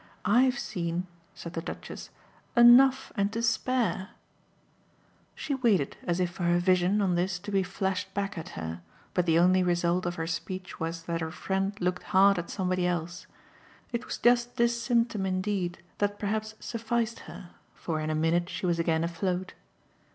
I'VE seen," said the Duchess, "enough and to spare." She waited as if for her vision, on this, to be flashed back at her, but the only result of her speech was that her friend looked hard at somebody else. It was just this symptom indeed that perhaps sufficed her, for in a minute she was again afloat.